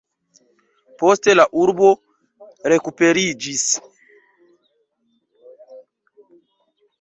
Poste la urbo rekuperiĝis.